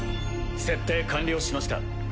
設定完了しました。